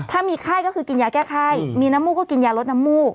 ถ้ามีไข้ก็คือกินยาแก้ไข้มีน้ำมูกก็กินยาลดน้ำมูก